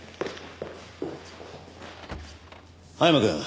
青山くん。